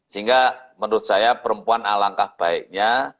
sehingga menurut saya perempuan alangkah baiknya